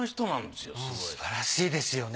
すばらしいですよね。